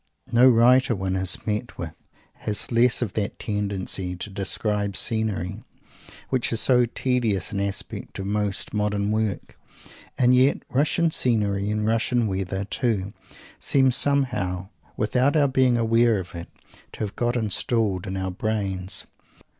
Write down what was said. No writer one has met with has less of that tendency to "describe scenery," which is so tedious an aspect of most modern work. And yet Russian scenery, and Russian weather, too, seem somehow, without our being aware of it, to have got installed in our brains.